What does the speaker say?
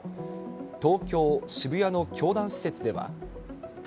東京・渋谷の教団施設では。